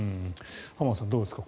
浜田さん、どうですか？